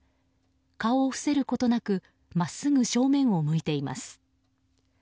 顔を伏せることなく真っすぐ正面を向いています。